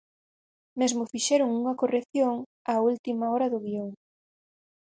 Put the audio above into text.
Mesmo fixeron unha corrección a última hora do guión.